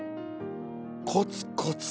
コツコツ。